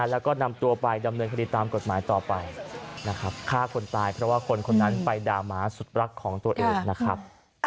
แล้วก็นำตัวไปดำเนินคดีตามกฎหมายต่อไปนะครับฆ่าคนตายเพราะว่าคนคนนั้นไปด่าหมาสุดรักของตัวเองนะครับ